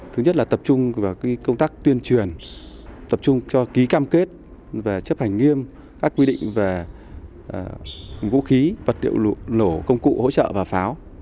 thứ nhất là tập trung vào công tác tuyên truyền tập trung cho ký cam kết và chấp hành nghiêm các quy định về vũ khí vật liệu nổ công cụ hỗ trợ và pháo